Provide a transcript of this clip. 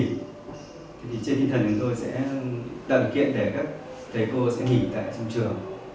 thì trên tinh thần của tôi sẽ tận kiện để các thầy cô sẽ nghỉ tại trung trường